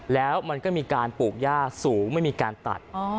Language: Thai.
แล้วมันก็มีการปลูกย่าสูงไม่มีการตัด